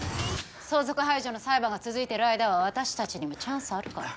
相続廃除の裁判が続いてる間は私たちにもチャンスあるから。